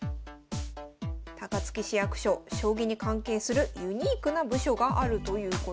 高槻市役所将棋に関係するユニークな部署があるということです。